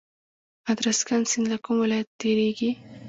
ادرسکن سیند له کوم ولایت تیریږي؟